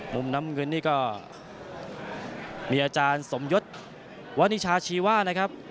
มุมน้ำเงินนี่ก็มีอาจารย์สมยศวนิชาชีว่านะครับ